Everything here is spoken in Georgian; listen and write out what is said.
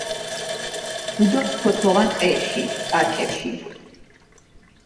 ბუდობს ფოთლოვან ტყეებში, პარკებში.